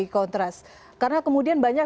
kontras karena kemudian banyak